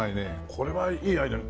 これはいいアイデア。